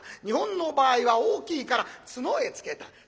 日本の場合は大きいから角へつけた。